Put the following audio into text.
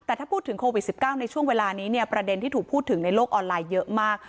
แต่ถ้าพูดถึงโควิด๑๙ในช่วงเวลานี้เนี่ยประเด็นที่ถูกพูดถึงในโลกออนไลน์เยอะมาก